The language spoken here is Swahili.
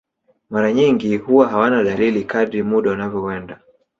Mara nyingi huwa hawana dalili kadri muda unavyoenda